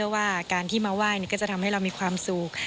ว่าการที่มาไหว้ก็จะทำให้เรามีความสุข